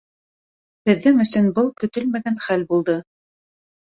Беҙҙең өсөн был көтөлмәгән хәл булды.